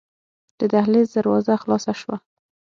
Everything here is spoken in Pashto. د دهلېز دروازه خلاصه شوه.